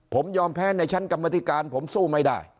ผมยอมแพ้ในชั้นกรรมธิการผมสู้ไม่ได้